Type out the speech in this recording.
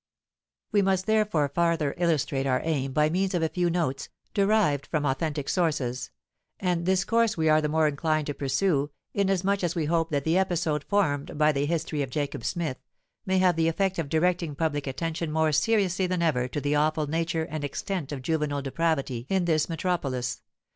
We must, therefore, farther illustrate our aim by means of a few notes, derived from authentic sources: and this course we are the more inclined to pursue, inasmuch as we hope that the episode formed by the "History of Jacob Smith" may have the effect of directing public attention more seriously than ever to the awful nature and extent of juvenile depravity in this metropolis.